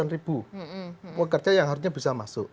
lima ratus ribu pekerja yang harusnya bisa masuk